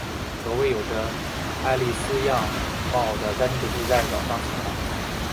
有位有着艾莉丝样貌的家庭主妇在早上醒来。